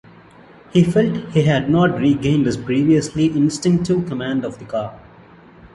He felt he had not regained his previously instinctive command of the car.